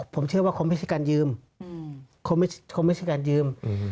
ผมเชื่อว่าคนมันจะยืม